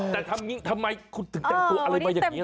แต่ทำอย่างนี้ทำไมคุณถึงแต่งตัวอะไรมาอย่างนี้